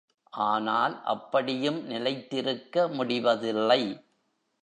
ஆனால், அப்படியும் நிலைத்திருக்க முடிவதில்லை.